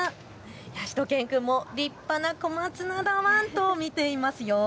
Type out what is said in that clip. しゅと犬くんも立派な小松菜だワンと見ていますよ。